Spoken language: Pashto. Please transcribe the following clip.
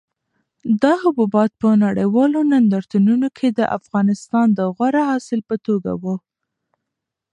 دا حبوبات په نړیوالو نندارتونونو کې د افغانستان د غوره حاصل په توګه وو.